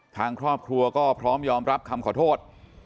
ทางครอบครัวก็พร้อมยอมรับคำขอโทษ